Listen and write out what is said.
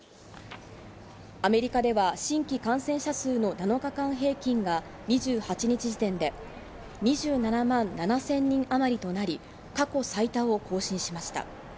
アメリカでは新規感染者数の７日間平均が２８日時点で２７万７０００人あまりとなり、過去最多を更新しました。